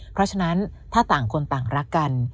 เพราะฉะนั้นถ้าต่างคนต่างรักกัน